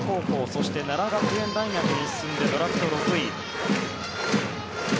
そして、奈良学園大学に進んでドラフト６位。